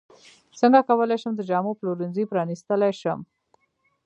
څنګه کولی شم د جامو پلورنځی پرانستلی شم